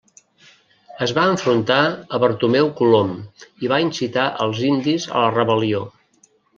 Es va enfrontar a Bartomeu Colom i va incitar als indis a la rebel·lió.